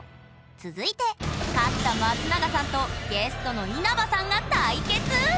続いて勝った松永さんとゲストの稲場さんが対決！